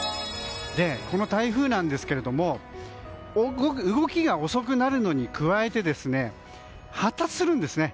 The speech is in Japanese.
この台風ですが動きが遅くなるのに加えて発達するんですね。